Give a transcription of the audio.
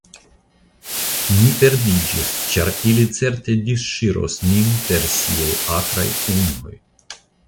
Ni perdiĝis, ĉar ili certe disŝiros nin per siaj akraj ungoj.